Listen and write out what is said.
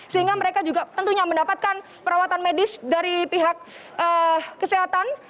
sehingga mereka juga tentunya mendapatkan perawatan medis dari pihak kesehatan